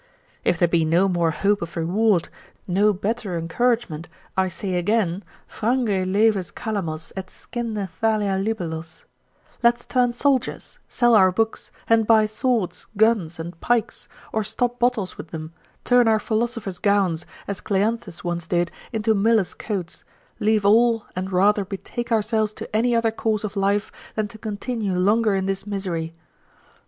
If there be no more hope of reward, no better encouragement, I say again, Frange leves calamos, et scinde Thalia libellos; let's turn soldiers, sell our books, and buy swords, guns, and pikes, or stop bottles with them, turn our philosopher's gowns, as Cleanthes once did, into millers' coats, leave all and rather betake ourselves to any other course of life, than to continue longer in this misery.